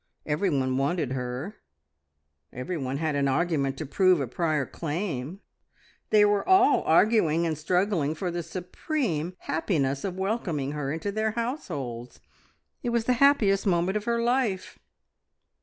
Everyone wanted her, everyone had an argument to prove a prior claim; they were all arguing and struggling for the supreme happiness of welcoming her into their households. It was the happiest moment of her life.